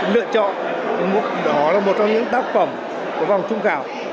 lựa chọn đó là một trong những tác phẩm của vòng trung khảo